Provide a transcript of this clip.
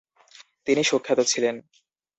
তিনি সুখ্যাত ছিলেন।